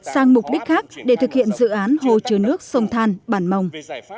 sang mục đích khác để thực hiện dự án hồ chứa nước sông than bản mông